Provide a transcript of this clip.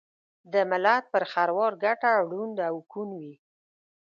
دملت پر خروار ګټه ړوند او کوڼ وي